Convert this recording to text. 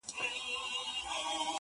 • ما په سهار لس رکاته کړي وي،